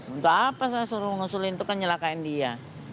untuk apa saya suruh ngusulin itu kan nyelakain dia